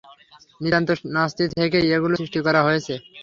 নিতান্ত নাস্তি থেকেই এগুলো সৃষ্টি করা হয়েছে।